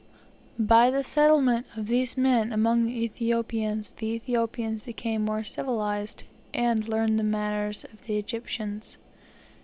By the settlement of these men among the Ethiopians, the Ethiopians became more civilized, and learned the manners of the Egyptians.